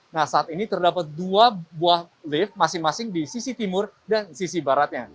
nah saat ini terdapat dua buah lift masing masing di sisi timur dan sisi baratnya